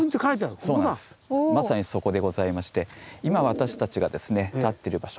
まさにそこでございまして今私たちが立ってる場所